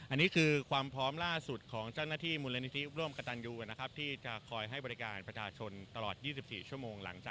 อันนี้คือความพร้อมล่าสุดของเจ้าหน้าที่บริเวณ